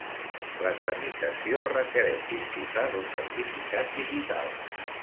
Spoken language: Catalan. La tramitació requereix disposar d'un certificat digital.